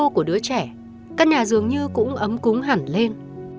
các nhà dường như cũng ấm cúng hẳn lên